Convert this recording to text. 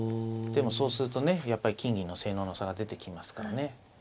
でもそうするとねやっぱり金銀の性能の差が出てきますからね。